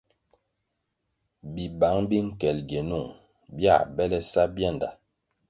Bibang bi nkel gienung bia bele sa bianda.